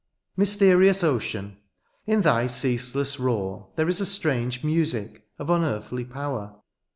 Mysterious ocean, in thy ceaseless roar There is a strange music of unearthly power.